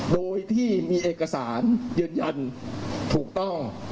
โดยที่มีเอกสารยืนยันถูกต้อง